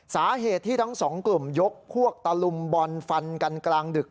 สาเหตุที่ทั้งสองกลุ่มยกพวกตะลุมบอลฟันกันกลางดึก